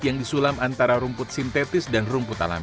yang disulam antara rumput sintetis dan rumput alami